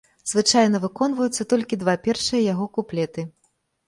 Звычайна выконваюцца толькі два першыя яго куплеты.